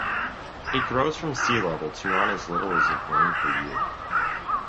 It grows from sea level to on as little as of rain per year.